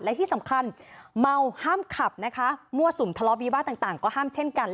และที่สำคัญเมาห้ามขับนะคะมั่วสุมทะเลาวิวาสต่างก็ห้ามเช่นกัน